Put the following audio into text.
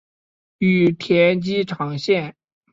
羽田机场线